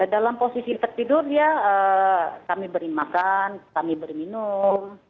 dalam posisi tertidur ya kami beri makan kami beri minum